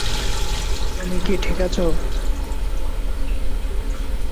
তুমি ঠিক আছো?